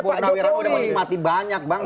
tapi kalau purnawirawan udah menikmati banyak bang